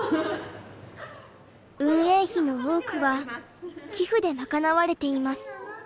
運営費の多くは寄付で賄われています。